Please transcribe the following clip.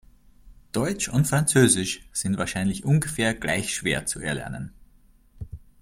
Deutsch und Französisch sind wahrscheinlich ungefähr gleich schwer zu erlernen.